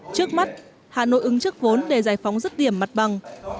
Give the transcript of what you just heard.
trước mắt hà nội ứng chức vốn để giải phóng rất điểm mặt bằng